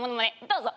どうぞ。